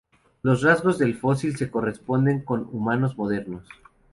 Los rasgos del fósil se corresponden con humanos modernos.